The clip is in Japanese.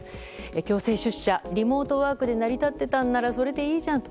強制出社、リモートワークで成り立ってたならそれでいいじゃんと。